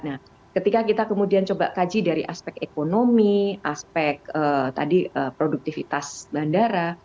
nah ketika kita kemudian coba kaji dari aspek ekonomi aspek tadi produktivitas bandara